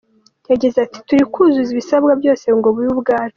Yagize ati “turi kuzuza ibisabwa byose ngo bube ubwacu.